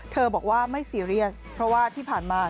เธอบอกว่าไม่เสียดายเพราะว่าที่ผ่านมา